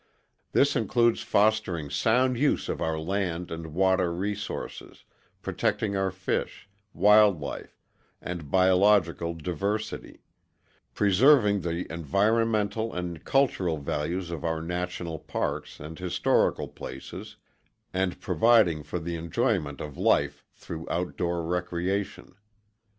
This includes fostering sound use of our land and water resources; protecting our fish, wildlife, and biological diversity; preserving the environmental and cultural values of our national parks and historical places; and providing for the enjoyment of life through outdoor recreation.